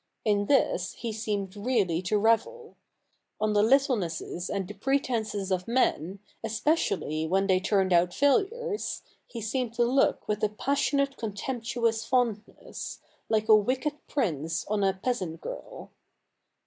In this he seemed really to revel. On the littlenesses and the pretences of men, especially when they turned out failures, he seemed to look with a passionate con temptuous fondness, like a wicked prince on a peasant girl.